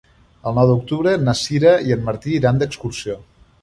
El nou d'octubre na Sira i en Martí iran d'excursió.